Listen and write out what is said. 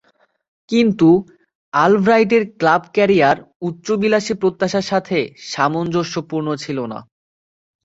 কিন্তু, আলব্রাইটের club career উচ্চাভিলাষী প্রত্যাশার সাথে সামঞ্জস্যপূর্ণ ছিল না।